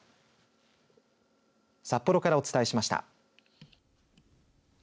札幌からお伝えしました。